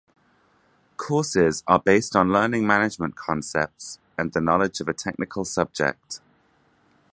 Courses are based on learning management concepts and the knowledge of a technical subject.